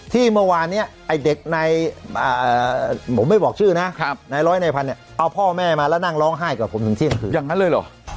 ที่เมื่อวานเนี่ยไอ้เด็กในผมไม่บอกชื่อนะในร้อยในพันธุ์เนี่ย